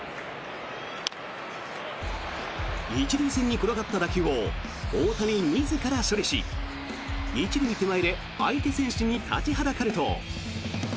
１塁線に転がった打球を大谷自ら処理し１塁手前で相手選手に立ちはだかると。